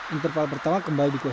interval pertama kembali dikulitkan